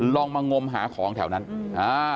ลองมางมหาของแถวนั้นอ่า